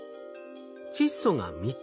窒素が３つ